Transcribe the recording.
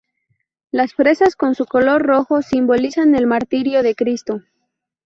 Las fresas con su color rojo simbolizan el martirio de Cristo.